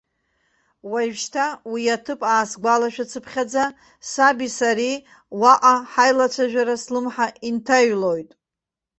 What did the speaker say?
Уажәшьҭа, уи аҭыԥ аасгәалашәацыԥхьаӡа, саби сареи уаҟа ҳаицәажәара слымҳа инҭаҩлоит.